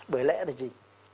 bởi lẽ là gì